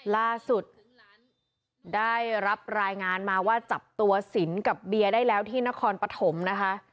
ล่าสุดได้รับรายงานมาว่าจับตัวสินกับเบียร์ได้แล้วที่นครปฐมนะคะ